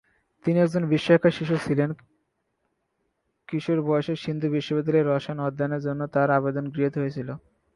তিনি একজন বিস্ময়কর শিশু ছিলেন, কিশোর বয়সেই সিন্ধু বিশ্ববিদ্যালয়ে রসায়ন অধ্যয়নের জন্য তাঁর আবেদন গৃহীত হয়েছিল।